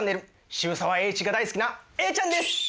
渋沢栄一が大好きなＡちゃんです！